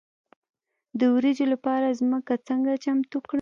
د وریجو لپاره ځمکه څنګه چمتو کړم؟